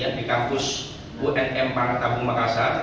namun mereka pernah kuliah di kampus unm parangtabung makassar